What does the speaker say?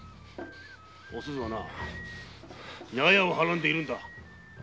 お鈴はなヤヤをはらんでいるんだ。